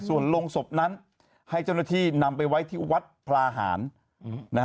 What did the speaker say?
ส่วนโรงศพนั้นให้เจ้าหน้าที่นำไปไว้ที่วัดพลาหาร